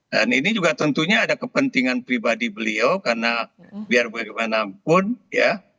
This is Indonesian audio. dan ini juga tentunya ada kepentingan pribadi beliau karena biar bagaimanapun ya